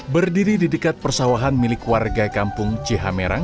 berdiri di dekat persawahan milik warga kampung cihamerang